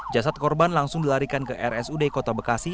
jasad korban langsung dilarikan ke rsud kota bekasi